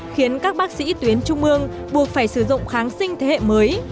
khiến các bác sĩ tuyến trung ương buộc phải sử dụng kháng sinh thế hệ mới